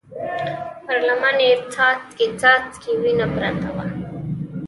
پر لمن يې څاڅکي څاڅکې وينه پرته وه.